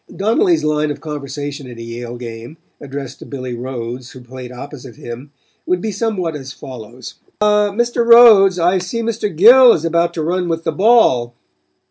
Donnelly's line of conversation in a Yale game, addressed to Billy Rhodes who played opposite him, would be somewhat as follows: "Ah, Mr. Rhodes, I see Mr. Gill is about to run with the ball."